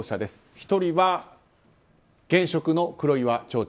１人は現職の黒岩町長